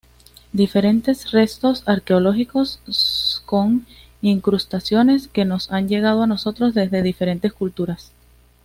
Diferentes restos arqueológicos con incrustaciones nos han llegado a nosotros desde diferentes culturas.